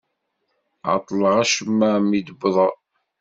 Ԑeṭṭleɣ acemma mi d-wwḍeɣ...